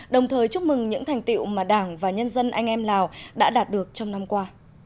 đồng thời chúc mừng những thành tiệu mà đảng và nhân dân anh em lào đã đạt được trong năm qua